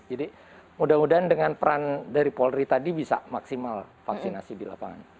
jadi mudah mudahan dengan peran dari polri tadi bisa maksimal vaksinasi di lapangan